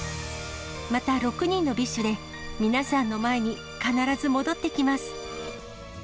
また６人のＢｉＳＨで皆さんの前に必ず戻ってきます。